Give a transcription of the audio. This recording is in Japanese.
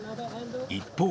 一方。